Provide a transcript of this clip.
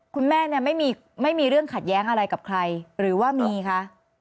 คุณแม่เนี่ยไม่มีเรื่องขัดแย้งอะไรกับใครหรือว่ามีคะ